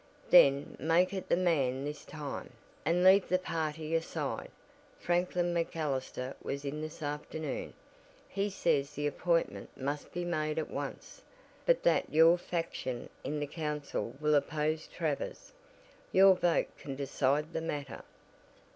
"Then make it the man this time, and leave the party aside. Franklin MacAllister was in this afternoon. He says the appointment must be made at once, but that your faction in the council will oppose Travers. Your vote can decide the matter."